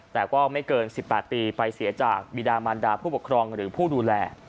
แต่ก็ไม่เกิน๑๘ปีไปเสียจากบีดามันดาผู้ปกครองหรือผู้ดูแล